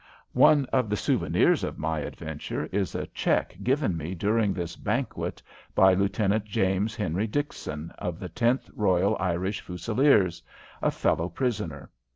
One of the souvenirs of my adventure is a check given me during this "banquet" by Lieut. James Henry Dickson, of the Tenth Royal Irish Fusileers, a fellow prisoner.